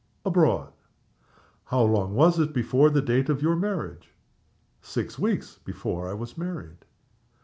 "Abroad." "How long was it before the date of your marriage?" "Six weeks before I was married."